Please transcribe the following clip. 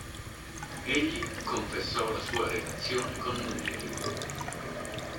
Egli confessò la sua relazione con Mary.